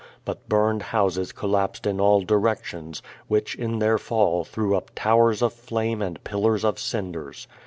But burned houses collapsed in all directions, which in their fall threw up towers of flame and pillars of cinders.